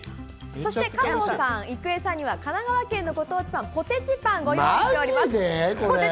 そして加藤さん、郁恵さんには神奈川県のご当地パン、ポテチパンをご用意しています。